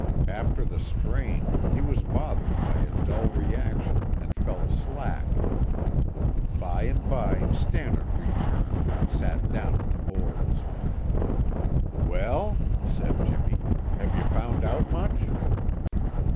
After the strain, he was bothered by a dull reaction and felt slack. By and by Stannard returned and sat down on the boards. "Well?" said Jimmy. "Have you found out much?"